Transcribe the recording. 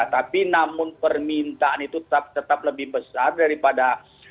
tapi namun permintaan itu tetap lebih besar daripada